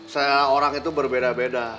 seorang itu berbeda beda